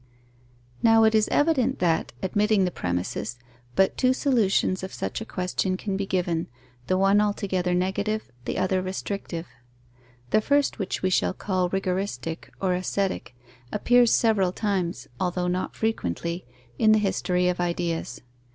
_ Now it is evident that, admitting the premisses, but two solutions of such a question can be given, the one altogether negative, the other restrictive. The first, which we shall call rigoristic or ascetic, appears several times, although not frequently, in the history of ideas.